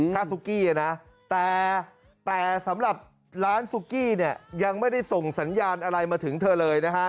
ซุกี้นะแต่สำหรับร้านซุกี้เนี่ยยังไม่ได้ส่งสัญญาณอะไรมาถึงเธอเลยนะฮะ